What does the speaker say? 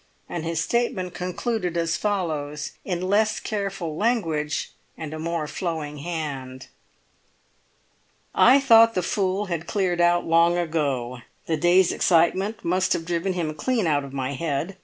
And his statement concluded as follows, in less careful language and a more flowing hand:— "I thought the fool had cleared out long ago. The day's excitement must have driven him clean out of my head.